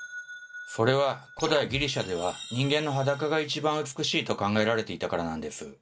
それは古代ギリシャでは人間の裸が一番美しいと考えられていたからなんです。